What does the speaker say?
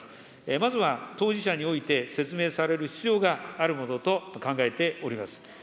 まずは当事者において説明される必要があるものと考えております。